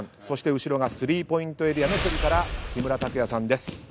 そして後ろがスリーポイントエリアの距離から木村拓哉さんです。